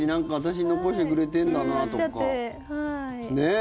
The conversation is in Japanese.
ねえ！